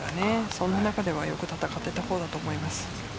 その中ではよく戦っていたほうだと思います。